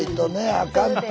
あかんて。